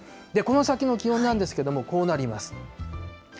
この先の気温なんですけれども、こうなります。